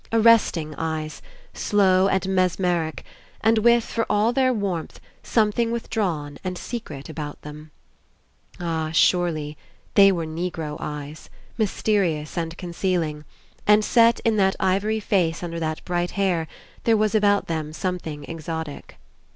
Arresting eyes, slow and mesmeric, and with, for all their warmth, something withdrawn and secret about them. 45 PASSING Ah! Surely! They were Negro eyes! mysterious and concealing. And set in that ivory face under that bright hair, there was about them something exotic.